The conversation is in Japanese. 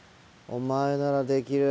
お前ならできる。